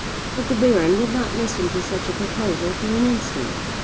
But the Baron would not listen to such a proposal for an instant.